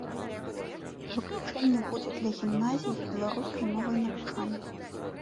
Выключэнне будзе для гімназій з беларускай мовай навучання.